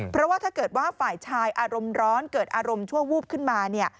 เพราะว่าถ้าเกิดว่าฝ่ายชายอารมณ์ร้อนเกิดอารมณ์ชั่ววูบขึ้นมาเนี่ย